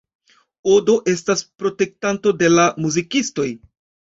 Odo estas protektanto de la muzikistoj.